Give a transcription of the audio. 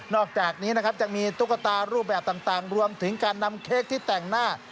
อกจากนี้นะครับยังมีตุ๊กตารูปแบบต่างรวมถึงการนำเค้กที่แต่งหน้า